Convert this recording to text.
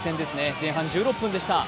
前半１６分でした。